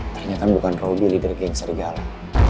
ternyata bukan robby leader geng serigala